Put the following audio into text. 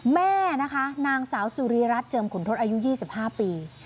แม่นะคะนางสาวสุริรัตนเจิมขุนทศอายุ๒๕ปี